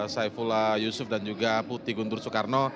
saifullah yusuf dan juga putih guntur soekarno